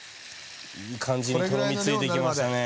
いい感じにとろみついてきましたね。